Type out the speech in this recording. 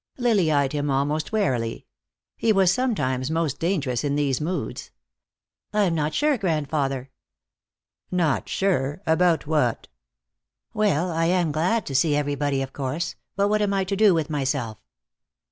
Lily eyed him almost warily. He was sometimes most dangerous in these moods. "I'm not sure, grandfather." "Not sure about what?" "Well, I am glad to see everybody, of course. But what am I to do with myself?"